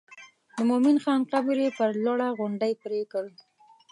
د مومن خان قبر یې پر لوړه غونډۍ پرېکړ.